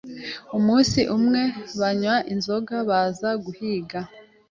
Umunsi umwe, banywa inzoga baza guhiga.